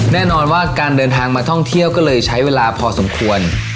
แน่นอนว่าการเดินทางมาท่องเที่ยวก็เลยใช้เวลาพอสมควร